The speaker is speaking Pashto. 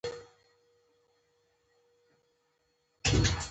حمید هم په هغه کوټه کې ویده کېده